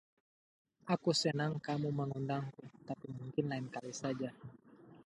Aku senang kamu mengundangku, tapi mungkin lain kali saja.